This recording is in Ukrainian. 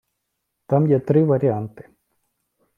Там є три варіанти.